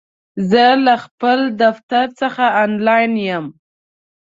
زه له خپل دفتر څخه آنلاین یم!